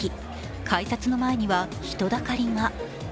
改札の前には人だかりが。